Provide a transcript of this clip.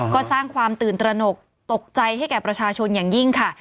ก็สร้างความตื่นตระหนกตกใจให้แก่ประชาชนอย่างยิ่งค่ะ